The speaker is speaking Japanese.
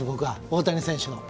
大谷選手の。